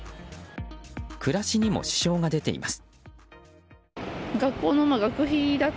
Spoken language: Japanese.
暮らしにも支障が出ています。